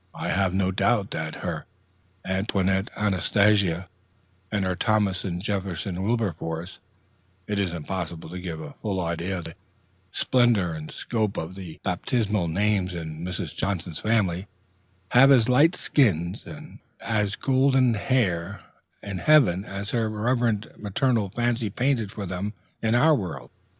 I have no doubt that her Antoinette Anastasia and her Thomas Jefferson Wilberforce it is impossible to give a full idea of the splendor and scope of the baptismal names in Mrs. Johnson's family have as light skins and as golden hair in heaven as her reverend maternal fancy painted for them in our world.